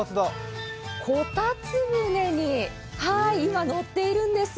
こたつ船に今、乗っているんです。